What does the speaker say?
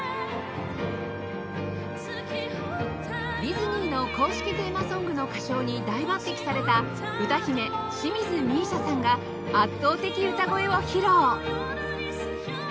ディズニーの公式テーマソングの歌唱に大抜擢された歌姫清水美依紗さんが圧倒的歌声を披露